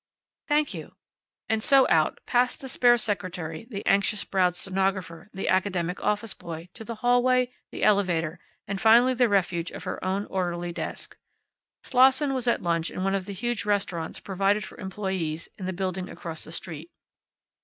"Thank you." And so out, past the spare secretary, the anxious browed stenographer, the academic office boy, to the hallway, the elevator, and finally the refuge of her own orderly desk. Slosson was at lunch in one of the huge restaurants provided for employees in the building across the street.